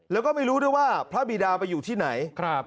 แล้วก็ไม่รู้ด้วยว่าพระบีดาไปอยู่ที่ไหน